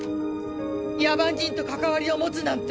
野蛮人と関わりを持つなんて。